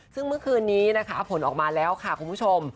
ซึ่งเมื่อคืนนี้นะคะผลออกมาแล้วค่ะคุณผู้ชม